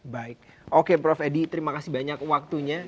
baik oke prof edi terima kasih banyak waktunya